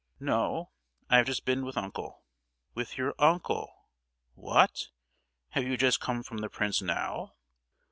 "No, I've just been with uncle." "With your uncle! What! have you just come from the prince now?"